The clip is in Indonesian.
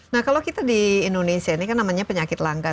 nah kalau kita di indonesia ini kan namanya penyakit langka